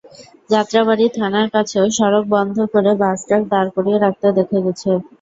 যাত্রাবাড়ী থানার কাছেও সড়ক বন্ধ করে বাস-ট্রাক দাঁড় করিয়ে রাখতে দেখা গেছে।